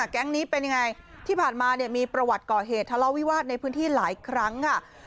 แก๊งนี้เป็นยังไงที่ผ่านมาเนี่ยมีประวัติก่อเหตุทะเลาวิวาสในพื้นที่หลายครั้งค่ะ